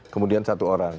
kemudian satu orang